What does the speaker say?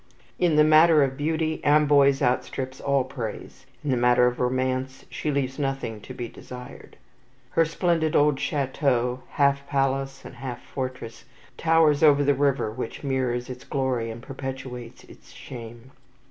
In the matter of beauty, Amboise outstrips all praise. In the matter of romance, she leaves nothing to be desired. Her splendid old Chateau half palace and half fortress towers over the river which mirrors its glory and perpetuates its shame.